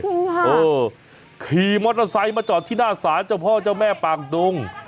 เออขี่มอเตอร์ไซค์มาจอดที่หน้าศาลเจ้าพ่อเจ้าแม่ปากดง